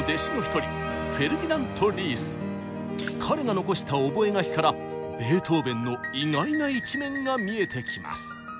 彼が残した覚書からベートーベンの意外な一面が見えてきます。